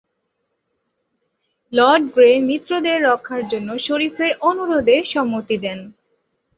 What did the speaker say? Lord Grey মিত্রদের রক্ষার জন্য শরিফের অনুরোধে সম্মতি দেন।